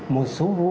một số vụ